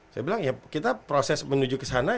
saya bilang ya kita proses menuju kesana